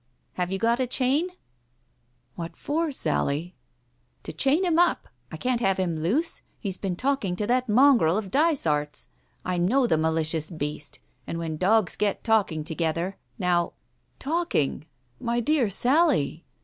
" Have you got a chain ?" "What for, Sally?" "To chain him up. I can't have him loose. He's been talking to that mongrel of Dysart's — I know the malicious beast — and when dogs get talking together — now " "Talking! My dear Sally